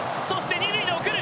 二塁に送る。